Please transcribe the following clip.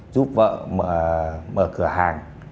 giúp vợ mở cửa hàng